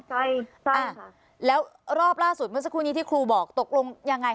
ใช่ใช่ค่ะแล้วรอบล่าสุดเมื่อสักครู่นี้ที่ครูบอกตกลงยังไง